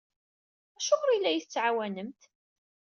Acuɣer i la iyi-tettɛawanemt?